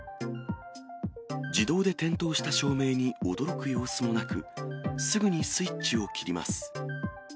自動で点灯した照明に驚く様子はなく、すぐにスイッチを切ります。